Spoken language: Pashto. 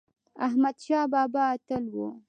احمد شاه بابا اتل و